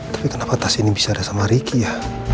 tapi kenapa tas ini bisa ada sama ricky ya